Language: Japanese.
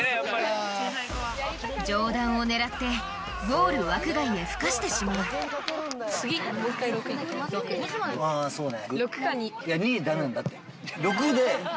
上段を狙ってゴール枠外へふかしてしまうあぁそうね。